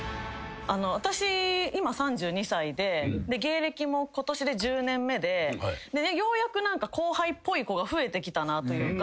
私今３２歳で芸歴も今年で１０年目でようやく後輩っぽい子が増えてきたなというか。